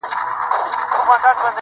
سترگه وره انجلۍ بيا راته راگوري_